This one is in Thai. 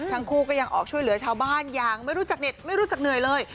ทั้งคู่ก็ยังออกช่วยเหลือชาวบ้านอย่างไม่รู้จักเน็ตไม่รู้จักเหนื่อยเลย